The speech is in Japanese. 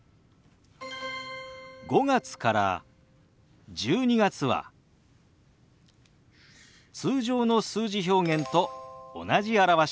５月から１２月は通常の数字表現と同じ表し方です。